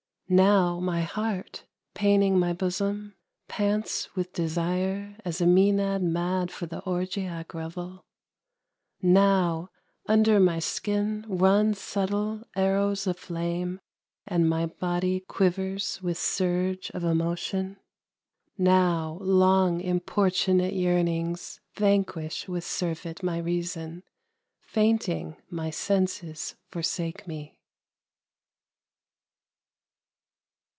Now my heart, paining my bosom, Pants with desire as a mænad Mad for the orgiac revel. Now under my skin run subtle Arrows of flame, and my body Quivers with surge of emotion. Now long importunate yearnings Vanquish with surfeit my reason; Fainting my senses forsake me.